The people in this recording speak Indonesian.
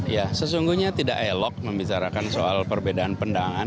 ya sesungguhnya tidak elok membicarakan soal perbedaan pendangan